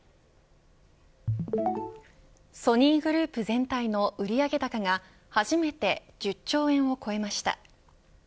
ソニーグループ全体の売上高が初めて１０兆円を超えました。